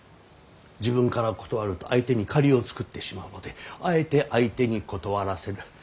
自分から断ると相手に借りを作ってしまうのであえて相手に断らせる。